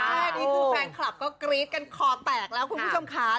แค่นี้คือแฟนคลับก็กรี๊ดกันคอแตกแล้วคุณผู้ชมค่ะ